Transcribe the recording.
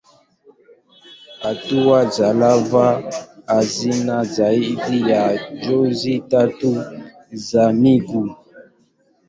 Hatua za lava hazina zaidi ya jozi tatu za miguu.